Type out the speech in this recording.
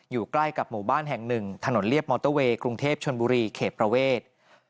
อยู่ใกล้กับหมู่บ้านแห่งหนึ่งถนนเรียบมอเตอร์เวย์กรุงเทพชนบุรีเขตประเวท